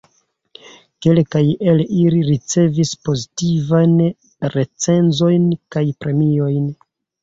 Kelkaj el ili ricevis pozitivajn recenzojn kaj premiojn.